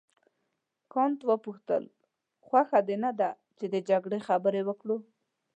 کانت وپوښتل خوښه دې نه ده چې د جګړې خبرې وکړو.